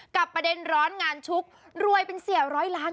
ประเด็นร้อนงานชุกรวยเป็นเสียร้อยล้าน